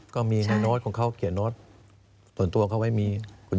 ก็มีในนด์โน้ตของเขาเกียรติโน้ตส่วนตัวเขาไว้มี